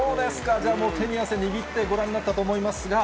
じゃあ、もう手に汗握ってご覧になったと思いますが。